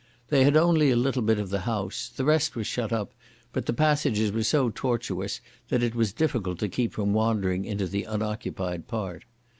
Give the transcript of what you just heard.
They had only a little bit of the house; the rest was shut up, but the passages were so tortuous that it was difficult to keep from wandering into the unoccupied part.